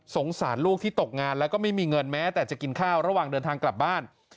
สารลูกที่ตกงานแล้วก็ไม่มีเงินแม้แต่จะกินข้าวระหว่างเดินทางกลับบ้าน